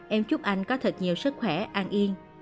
em chúc anh có thật nhiều sức khỏe an yên